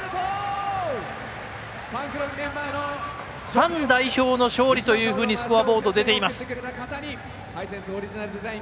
ファン代表の勝利というふうにスコアボード出ています。